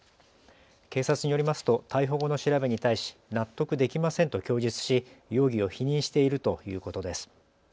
警察によりますと逮捕後の調べに対し納得できませんと供述し容疑を否認しているということです。